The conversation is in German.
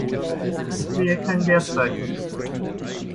Ich sehe kein Leerzeichen.